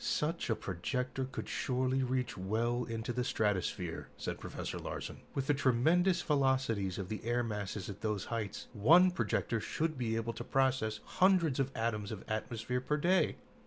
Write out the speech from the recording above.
"Such a projector could surely reach well into the stratosphere," said Professor Larsen. "With the tremendous velocities of the air masses at those heights, one projector should be able to process hundreds of tons of atmosphere per day."